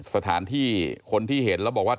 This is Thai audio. สถานที่คนที่เห็นแล้วบอกว่า